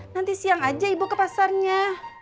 nanti siang aja ibu ke pasarnya